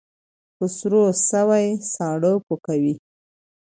ـ په سور سوى، ساړه پو کوي.